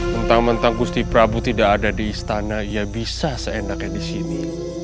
mentang mentang gusti prabu tidak ada di istana ya bisa seenaknya di sini